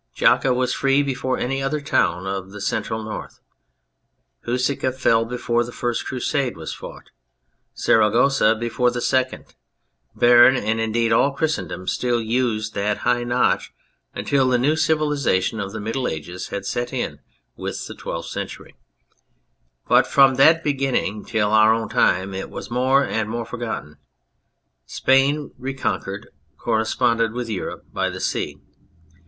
Jaca was free before any other town of the Central North, Huesca fell before the first Crusade was fought, Saragossa before the second. Beam, and indeed all Christendom, still used that high notch until the new civilisation of the Middle Ages had set in with the Twelfth Century, but from that beginning till our own time it was more and more forgotten. Spain, reconquered, corre sponded with Europe by the sea.